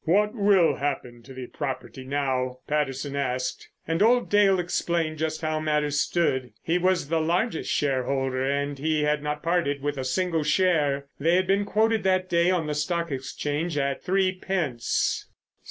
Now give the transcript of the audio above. "What will happen to the property now?" Patterson asked. And old Dale explained just how matters stood. He was the largest shareholder and he had not parted with a single share. They had been quoted that day on the Stock Exchange at threepence!